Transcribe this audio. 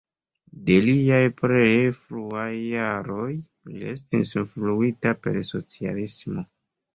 De liaj plej fruaj jaroj, li estis influita per socialismo.